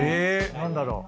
何だろう？